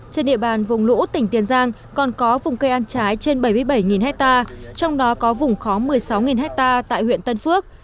trên địa bàn vùng lũ tỉnh tiền giang còn có vùng cây ăn trái trên bảy mươi bảy hectare trong đó có vùng khó một mươi sáu ha tại huyện tân phước